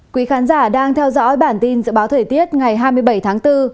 quý khán giả đang theo dõi bản tin dự báo thời tiết ngày hai mươi bảy tháng bốn